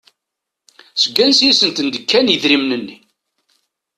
Seg ansi i sent-d-kan idrimen-nni?